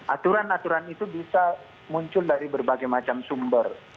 aturan aturan itu bisa muncul dari berbagai macam sumber